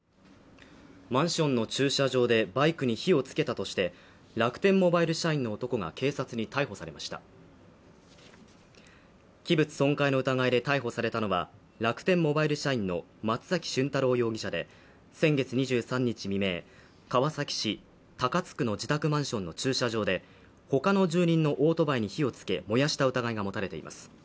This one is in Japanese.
マンションの駐車場でバイクに火をつけたとして楽天モバイル社員の男が警察に逮捕されました器物損壊の疑いで逮捕されたのは楽天モバイル社員の松崎峻太郎容疑者で先月２３日未明川崎市高津区の自宅マンションの駐車場でほかの住人のオートバイに火をつけ燃やした疑いが持たれています